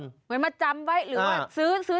เหมือนมันจำไว้หรือว่าซื้อแทนไปก่อน